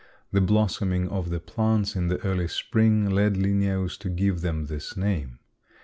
The blossoming of the plants in the early spring led Linnæus to give them this name.